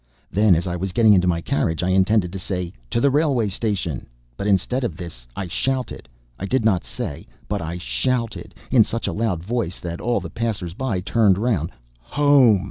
Then, as I was getting into my carriage, I intended to say: "To the railway station!" but instead of this I shouted I did not say, but I shouted in such a loud voice that all the passers by turned round: "Home!"